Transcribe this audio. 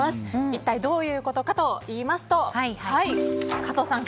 一体どういうことかといいますと加藤さん